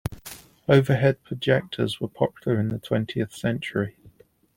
Overhead projectors were popular in the twentieth century.